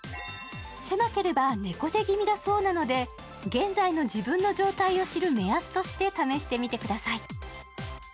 狭ければ猫背気味だそうなので現在の自分の状態を知る目安として試してみてください。